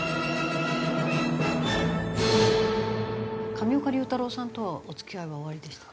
上岡龍太郎さんとはお付き合いはおありでしたか？